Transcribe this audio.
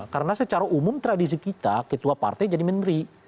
karena secara umum tradisi kita ketua partai jadi menteri